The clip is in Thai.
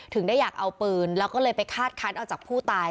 ได้อยากเอาปืนแล้วก็เลยไปคาดคันเอาจากผู้ตาย